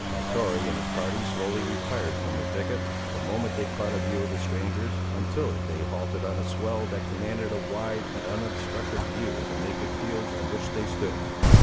Mahtoree and his party slowly retired from the thicket, the moment they caught a view of the strangers, until they halted on a swell that commanded a wide and unobstructed view of the naked fields on which they stood.